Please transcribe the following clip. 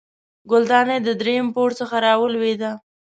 ګلدانۍ د دریم پوړ څخه راولوېده